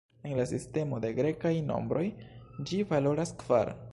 En la sistemo de grekaj nombroj ĝi valoras kvar.